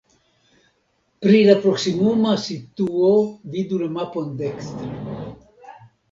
Pri la proksimuma situo vidu la mapon dekstre.